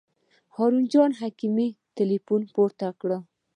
هارون جان حکیمي تیلفون پورته کړ.